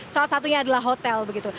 salah satunya adalah hotel begitu